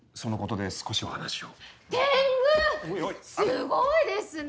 すごいですね！